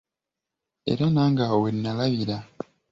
Era nange awo wennalabira.